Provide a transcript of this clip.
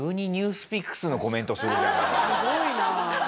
すごいなあ。